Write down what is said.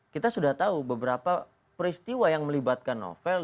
kita sudah tahu beberapa peristiwa yang melibatkan novel